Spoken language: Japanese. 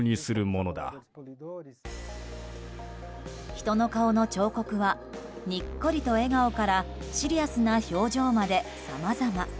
人の顔の彫刻はにっこりと笑顔からシリアスな表情まで、さまざま。